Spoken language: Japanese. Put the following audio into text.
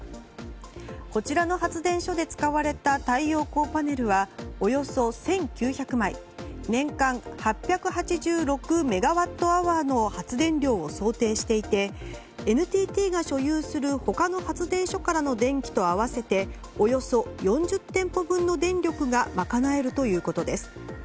こちらの発電所で使われた太陽光パネルはおよそ１９００枚年間８８６メガワットアワーの発電量を想定していてＮＴＴが所有する他の発電所からの電気と合わせておよそ４０店舗分の電力が賄えるということです。